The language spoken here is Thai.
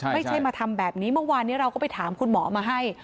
ไม่ใช่มาทำแบบนี้เมื่อวานนี้เราก็ไปถามคุณหมอมาให้